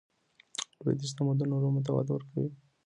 لوېدیځ تمدن علومو ته وده ورکړه.